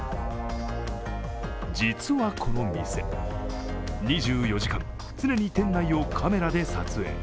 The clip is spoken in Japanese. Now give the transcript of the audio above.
実はこの店、２４時間、常に店内をカメラで撮影。